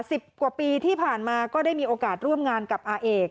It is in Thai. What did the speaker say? สิบกว่าปีที่ผ่านมาก็ได้มีโอกาสร่วมงานกับอาเอก